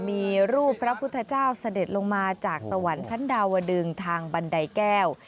มีรูปพระพุทธเจ้าเสด็จลงมาจากสวรรค์ชั้นดาวดึงทางบันไดแก้ว